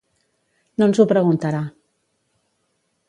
No ens ho preguntarà.